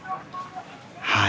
はい。